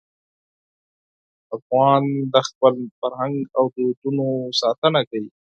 افغان د خپل فرهنګ او دودونو ساتنه کوي.